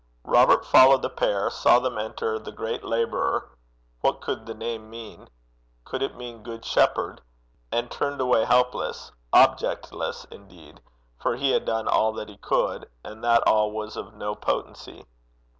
Robert followed the pair, saw them enter The Great Labourer what could the name mean? could it mean The Good Shepherd? and turned away helpless, objectless indeed, for he had done all that he could, and that all was of no potency.